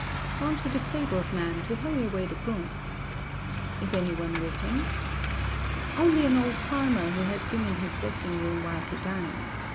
'Gone to the stables, Ma'am, to hurry away the groom.' 'Is any one with him?' 'Only an old farmer, who has been in his dressing room while he dined.